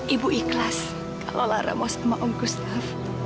ibu ikhlas kalau lara mau sama om kustaf